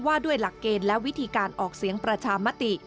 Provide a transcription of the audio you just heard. ว่าด้วยหลักเกณฑ์และวิธีการออกเสียงประชามติ